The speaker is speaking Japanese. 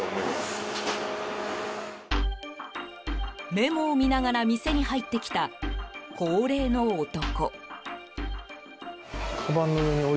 メモを見ながら店に入ってきた高齢の男。